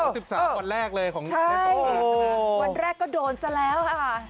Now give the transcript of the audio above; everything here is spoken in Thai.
วันสิบสามวันแรกเลยของใช่วันแรกก็โดนแต่แล้วค่ะ